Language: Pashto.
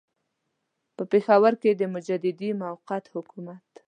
په پېښور کې د مجددي موقت حکومت.